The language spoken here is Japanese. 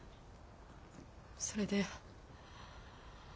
それで。